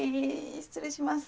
失礼します。